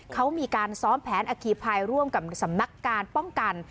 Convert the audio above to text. เขามีการซ้อมแผนอคีภัยร่วมกับสำนักการป้องกัน